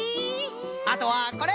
あとはこれ！